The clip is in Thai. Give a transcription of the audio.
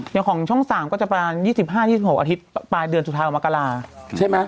อย่างของช่อง๓ก็จะประมาณ๒๕๒๖อาทิตย์ปลายเดือนสุดท้ายของมกราใช่ไหม